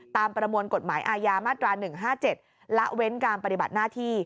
ประมวลกฎหมายอาญามาตรา๑๕๗ละเว้นการปฏิบัติหน้าที่